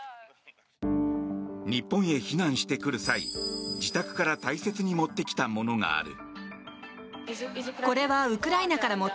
日本へ避難してくる際自宅から大切に持ってきたものがある。